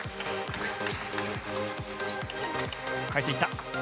返していった。